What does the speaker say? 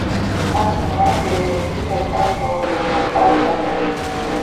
ამ სიმღერამ პირველი ადგილი დაიკავა სლოვაკეთის მუსიკალურ ჩარტებში.